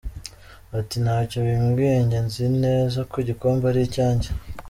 Ati “Ntacyo bimbwiye, njye nzi neza ko igikombe ari icyanjye.